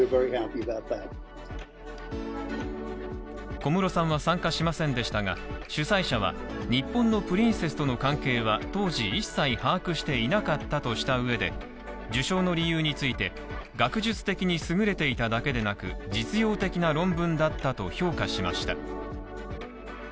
小室さんは参加しませんでしたが、主催者は日本のプリンセスとの関係は当時一切把握していなかったとした上で、受賞の理由について、学術的に優れていただけでなく、実用的な論文だったと評価しました。